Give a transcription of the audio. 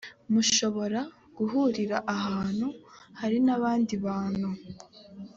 mushobora guhurira ahantu hari n’abandi bantu